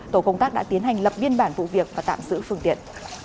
tổ công tác đã tiến hành lập biên bản vụ việc và tạm giữ phương tiện